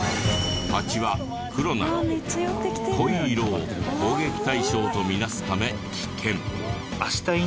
ハチは黒など濃い色を攻撃対象とみなすため危険。